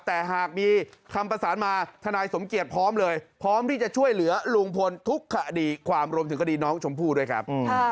แต่หากมีคำประสานมาทนายสมเกียจพร้อมเลยพร้อมที่จะช่วยเหลือลุงพลทุกคดีความรวมถึงคดีน้องชมพู่ด้วยครับ